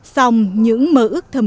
xong những mơ ước thầm kì